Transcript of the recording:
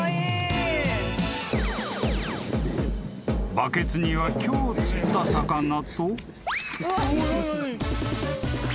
［バケツには今日釣った魚と］